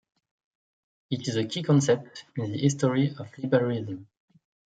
It is a key concept in the history of liberalism.